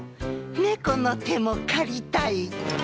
「ねこの手も借りたい」。